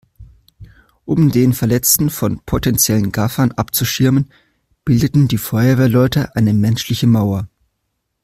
Um den Verletzten von potenziellen Gaffern abzuschirmen, bildeten die Feuerwehrleute eine menschliche Mauer.